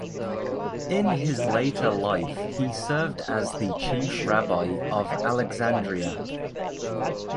In his later life he served as the chief rabbi of Alexandria.